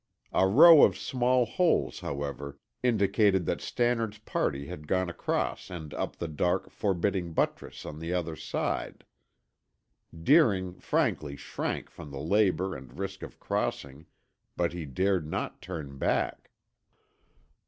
A row of small holes, however, indicated that Stannard's party had gone across and up the dark, forbidding buttress on the other side. Deering frankly shrank from the labor and risk of crossing, but he dared not turn back.